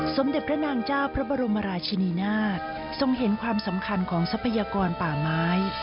สมเด็จพระนางเจ้าพระบรมราชินีนาฏทรงเห็นความสำคัญของทรัพยากรป่าไม้